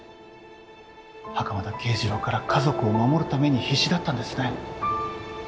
袴田啓二郎から家族を守るために必死だったんですね。